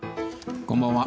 こんばんは。